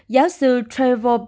giáo sư trevor b